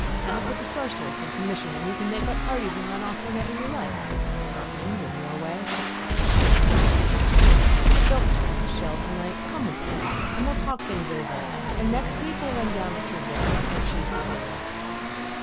And I'll put the Sorceress in commission, and you can make up parties and run off whenever you like, to Scotland or Norway " He hung above her. "Don't dine with Chelles to night! Come with me, and we'll talk things over; and next week we'll run down to Trouville to choose the villa."